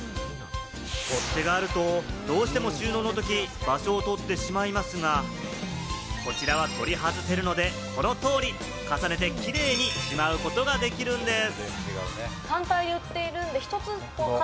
取っ手があると、どうしても収納の時、場所を取ってしまいますが、こちらは取り外せるので、この通り、重ねてキレイにしまうことができるんです。